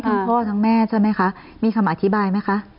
พ่อทั้งแม่ใช่ไหมคะมีคำอธิบายไหมคะ